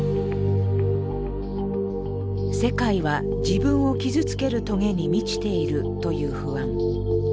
「世界は自分を傷つける棘に満ちている」という不安。